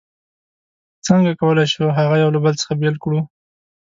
څنګه کولای شو چې هغه یو له بل څخه بېل کړو؟